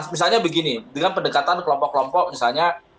misalnya begini dengan pendekatan kelompok kelompok misalnya